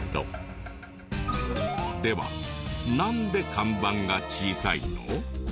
ではなんで看板が小さいの？